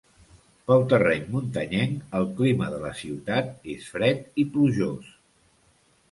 Pel terreny muntanyenc el clima de la ciutat és fred i plujós.